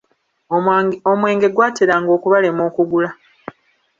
Omwenge gwateranga okubalema okugula.